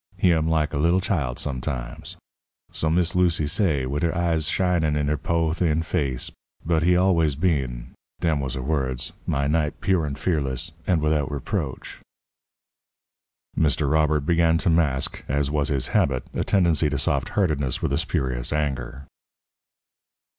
He am like a little child sometimes' so Miss Lucy say, wid her eyes shinin' in her po', thin face 'but he always been' dem was her words 'my knight, pure and fearless and widout reproach.'" Mr. Robert began to mask, as was his habit, a tendency to soft heartedness with a spurious anger.